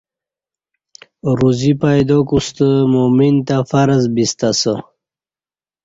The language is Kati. روزی پیدا کوستہ مؤمن تہ فرض بیستہ اسہ